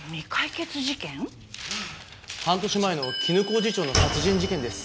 半年前の絹小路町の殺人事件です。